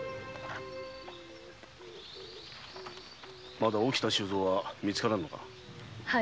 まだ沖田収蔵は見つからぬのか。